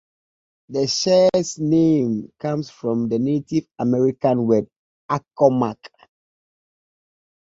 The shire's name comes from the Native American word Accawmack.